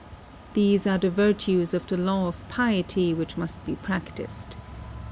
These are the \ irtues of the Law of Piety which must be practiced.